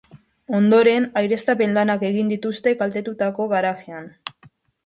Ondoren, aireztapen-lanak egin dituzte kaltetutako garajean.